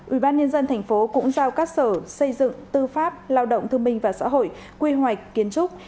ubnd tp cũng giao các sở xây dựng tư pháp lao động thương minh và xã hội quy hoạch kiến trúc